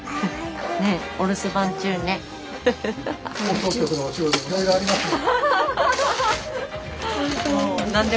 放送局のお仕事もいろいろありますね。